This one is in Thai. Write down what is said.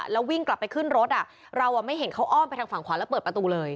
แล้ววิ่งกลับไปขึ้นรถเราไม่เห็นเขาอ้อมไปทางฝั่งขวาแล้วเปิดประตูเลย